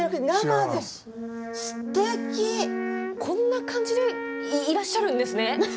こんな感じでいらっしゃるんですね。